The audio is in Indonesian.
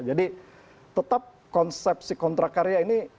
jadi tetap konsep si kontrak karya ini